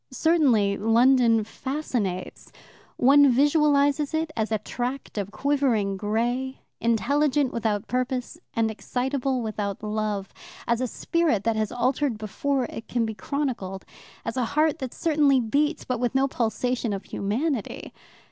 Certainly London fascinates. One visualizes it as a tract of quivering grey, intelligent without purpose, and excitable without love; as a spirit that has altered before it can be chronicled; as a heart that certainly beats, but with no pulsation of humanity.